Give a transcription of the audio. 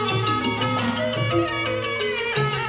โอเคครับ